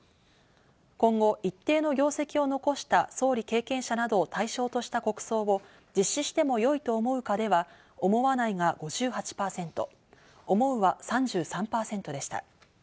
今後、一定の業績を残した総理経験者などを対象とした国葬を実施してもよいと思うかでは、思わないが５８％、思うは３３％でした。